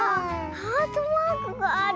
ハートマークがある。